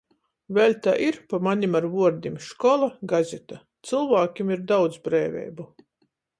Vēļ tai ir, pa manim, ar vuordim škola, gazeta. Cylvākim ir daudz breiveibu.